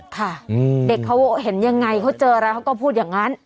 ค่ะเด็กเขาเห็นยังไงเขาเจออะไรเขาก็พูดอย่างนั้น